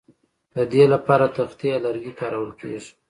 د دې لپاره تختې یا لرګي کارول کیږي